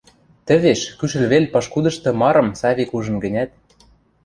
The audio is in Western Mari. Тӹвеш, кӱшӹл вел пашкудышты марым Савик ужын гӹнят